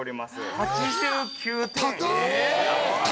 ８９点。